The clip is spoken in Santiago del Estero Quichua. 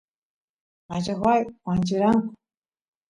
machajuay wancheranku